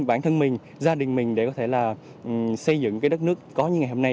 bản thân mình gia đình mình để có thể xây dựng đất nước có như ngày hôm nay